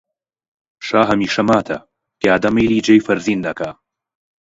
شا هەمیشە ماتە، پیادە مەیلی جێی فەرزین ئەکا